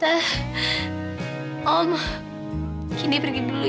kak kamu hogar erat buat andaruru